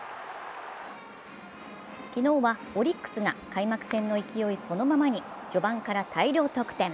昨日はオリックスが開幕戦の勢いそのままに序盤から大量得点。